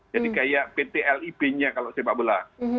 jadi kayak pt lib nya kalau sepak bola